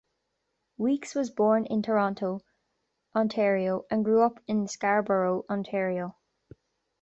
Weekes was born in Toronto, Ontario, and grew up in Scarborough, Ontario.